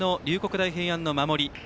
大平安の守り。